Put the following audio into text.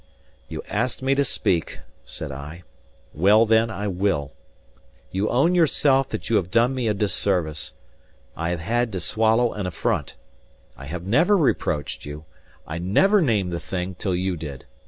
"You asked me to speak," said I. "Well, then, I will. You own yourself that you have done me a disservice; I have had to swallow an affront: I have never reproached you, I never named the thing till you did.